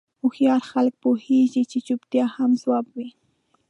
هوښیار خلک پوهېږي چې چوپتیا هم ځواب وي.